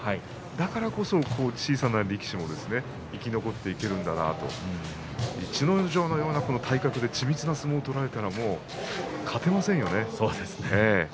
だからこそ、小さな力士が生き残っていけるんだなと逸ノ城に、この体格で緻密な相撲を取られたら勝てませんよね。